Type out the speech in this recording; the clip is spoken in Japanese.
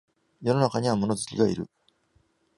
世の中には物好きがいる